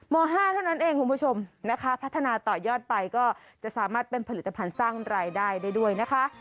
๕เท่านั้นเองคุณผู้ชมนะคะพัฒนาต่อยอดไปก็จะสามารถเป็นผลิตภัณฑ์สร้างรายได้ได้ด้วยนะคะ